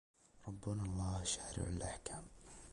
ربنا الله شارع الأحكام